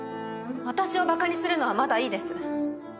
私をバカにするのはまだいいです。